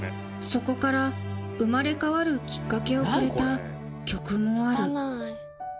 そこから生まれ変わるきっかけをくれた曲もある